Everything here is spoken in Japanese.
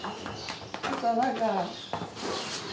朝だから。